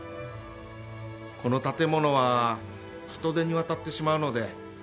この建物は人手に渡ってしまうのでもう